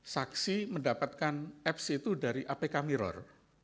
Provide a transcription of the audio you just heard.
saksi mendapatkan apps itu dari apk mirror